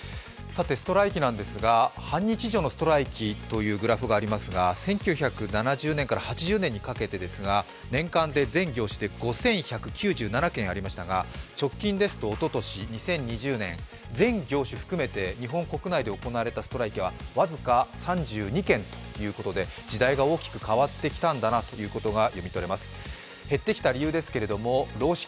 ストライキなんですが、半日以上のストライキというグラフがありますが１９７０年から８０年にかけてですが年間で全業種で５１９７件ありましたが、直近ですとおととし２０２０年全業種含めて日本国内で行われたストライキは僅か３２件ということで時代が大きく変わってきたんだなということが読み取れます。